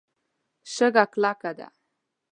شګه کلکه ده.